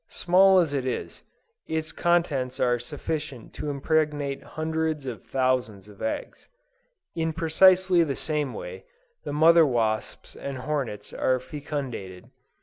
Small as it is, its contents are sufficient to impregnate hundreds of thousands of eggs. In precisely the same way, the mother wasps and hornets are fecundated.